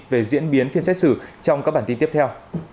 về diễn biến phiên xét xử trong các bản tin tiếp theo